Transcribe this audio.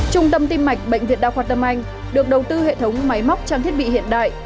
trung tâm tim mạch bệnh viện đa khoa tâm anh được đầu tư hệ thống máy móc trang thiết bị hiện đại